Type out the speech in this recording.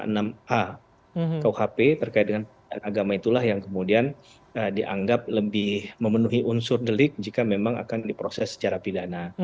nah itu adalah hal yang dianggap lebih memenuhi unsur delik jika memang akan diproses secara pidana